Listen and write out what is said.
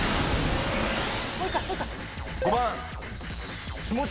５番。